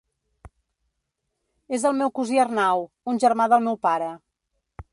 És el meu cosí Arnau, un germà del meu pare.